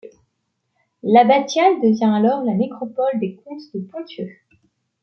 L'abbatiale devint alors la nécropole des comtes de Ponthieu.